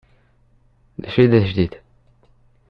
Dacu i d ajdid?